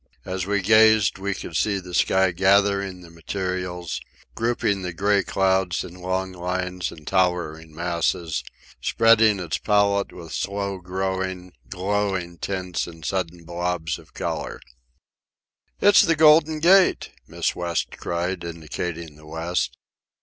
As we gazed we could see the sky gathering the materials, grouping the gray clouds in long lines and towering masses, spreading its palette with slow growing, glowing tints and sudden blobs of colour. "It's the Golden Gate!" Miss West cried, indicating the west.